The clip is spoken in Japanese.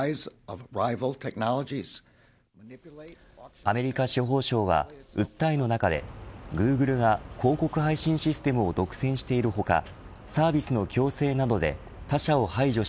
アメリカ司法省は訴えの中でグーグルが広告配信システムを独占している他サービスの強制などで他社を排除し